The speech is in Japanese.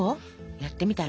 やってみたら？